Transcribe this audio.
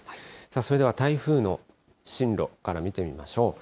それでは台風の進路から見てみましょう。